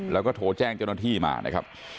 แล้วก็โทรแจ้งเจ้าหน้าที่มานะครับ